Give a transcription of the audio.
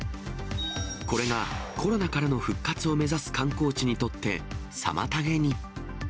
これが、コロナからの復活を目指す観光地にとって妨げに。